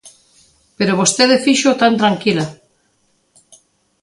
Pero vostede fíxoo tan tranquila.